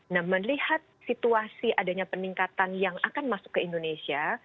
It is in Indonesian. nah melihat situasi adanya peningkatan yang akan masuk ke indonesia